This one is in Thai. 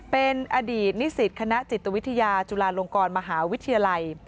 เป็นอดีตนิสิตคณะจิตวิทยาจุฬาลงกรมหาวิทยาลัย